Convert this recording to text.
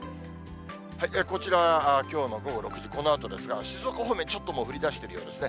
こちらはきょうの午後６時、このあとですが、静岡方面、ちょっともう降りだしているようですね。